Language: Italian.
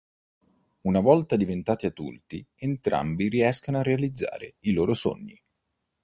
Una volta diventati adulti, entrambi riescono a realizzare i loro sogni.